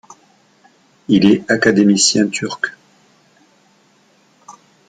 Il est académicien turc.